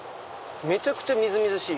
めちゃくちゃみずみずしい。